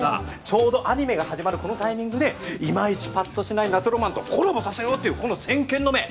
ちょうどアニメが始まるこのタイミングでいまいちパッとしない夏浪漫とコラボさせようっていうこの先見の明。